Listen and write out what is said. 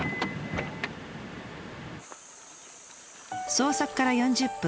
捜索から４０分